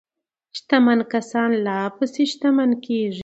شتمن کسان لا پسې شتمن کیږي.